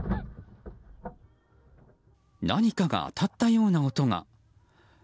何かが当たったような音が。